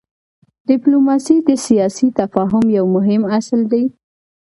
ډيپلوماسي د سیاسي تفاهم یو مهم اصل دی.